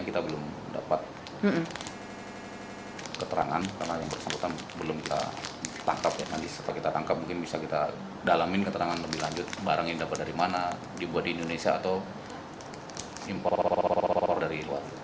kita belum dapat keterangan karena yang bersangkutan belum kita tangkap ya nanti setelah kita tangkap mungkin bisa kita dalamin keterangan lebih lanjut barang yang dapat dari mana dibuat di indonesia atau impor dari luar